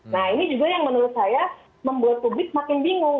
nah ini juga yang menurut saya membuat publik makin bingung